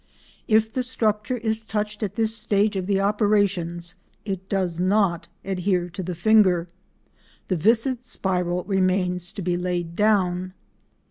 If the structure is touched at this stage of the operations it does not adhere to the finger; the viscid spiral remains to be laid down.